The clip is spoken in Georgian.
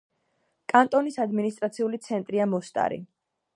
კანტონის ადმინისტრაციული ცენტრია მოსტარი.